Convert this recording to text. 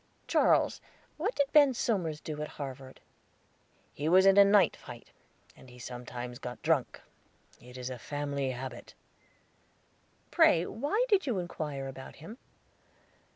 "Charles, what did Ben Somers do at Harvard?" "He was in a night fight, and he sometimes got drunk; it is a family habit." "Pray, why did you inquire about him?"